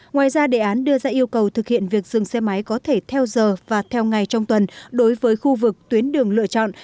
ngoài ra đề án đưa ra yêu cầu thực hiện việc dừng xe máy có thể theo giờ và theo ngày trong tuần đối với khu vực tuyến đường lựa chọn